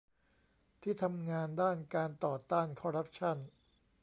ที่ทำงานด้านการต่อต้านคอร์รัปชั่น